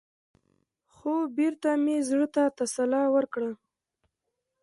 خـو بـېرته مـې زړه تـه تـسلا ورکړه.